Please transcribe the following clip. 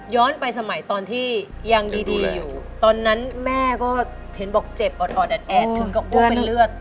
ย้อนไปสมัยตอนที่ยังดีอยู่ตอนนั้นแม่ก็เห็นเจ็บอดแอดถึงจ้ะ